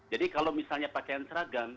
jadi kalau misalnya pakaian seragam